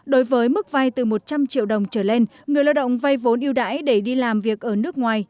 đối với mức vay từ một trăm linh triệu đồng trở lên người lao động vay vốn yêu đãi để đi làm việc ở nước ngoài